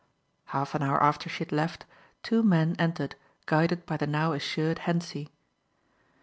Half an hour after she had left two men entered guided by the now assured Hentzi.